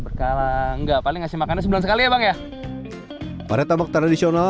berkala enggak paling ngasih makanan sebelum sekali ya bang ya pada tambak tradisional